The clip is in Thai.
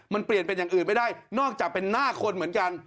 มันเปลี่ยนเป็นอย่างอื่นไม่ได้นอกจากเป็นหน้าคนเหมือนกัน